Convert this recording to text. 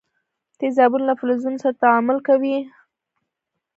تیزابونه له فلزونو سره تعامل کوي.